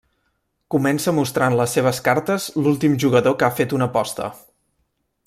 Comença mostrant les seves cartes l'últim jugador que ha fet una aposta.